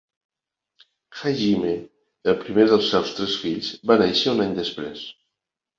Hajime, el primer dels seus tres fills, va nàixer un any després.